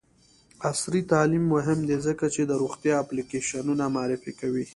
عصري تعلیم مهم دی ځکه چې د روغتیا اپلیکیشنونه معرفي کوي.